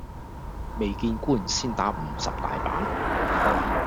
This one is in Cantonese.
未見官先打五十大板